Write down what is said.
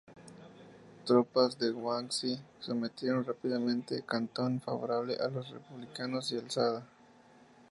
Tropas de Guangxi sometieron rápidamente Cantón, favorable a los republicanos y alzada.